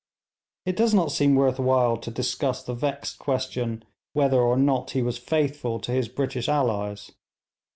It does not seem worth while to discuss the vexed question whether or not he was faithful to his British allies.